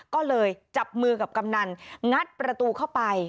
ก็เลยจับมือกับกำนันงัดประตูเข้าไป